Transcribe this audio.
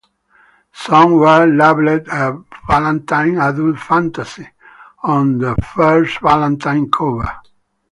Some were labeled "A Ballantine Adult Fantasy" on the first Ballantine cover.